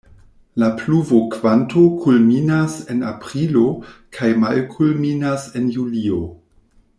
La pluvokvanto kulminas en aprilo kaj malkulminas en julio.